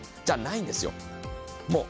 じゃないんですよ。